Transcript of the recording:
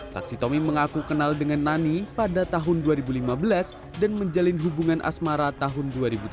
saksi tommy mengaku kenal dengan nani pada tahun dua ribu lima belas dan menjalin hubungan asmara tahun dua ribu tujuh belas